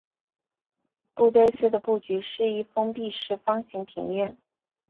杰堆寺的布局是一封闭式方形庭院。